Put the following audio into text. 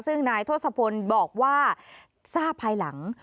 ซึ่งนายทศพลบอกว่าทราบภายหลัง